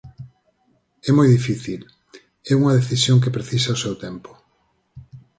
É moi difícil, é unha decisión que precisa o seu tempo.